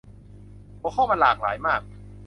หัวข้อมันหลากหลายมาก